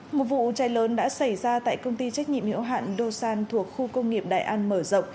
một vụ cháy lớn đã xảy ra tại công ty trách nhiệm hiệu hạn doàn thuộc khu công nghiệp đại an mở rộng